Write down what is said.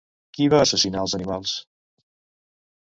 Qui va assassinar els animals?